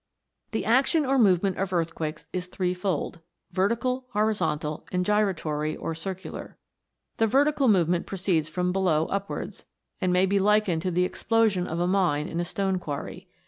The action or movement of earthquakes is three fold vertical, horizontal, and gyratory or circular. The vertical movement proceeds from below upwards, and may be likened to the explosion of a mine in a stone quarry.